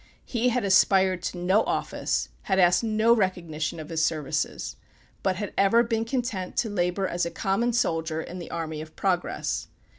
He had aspired to no office; had asked no recognition of his services, but had ever been content to labor as a common soldier in the army of Progress.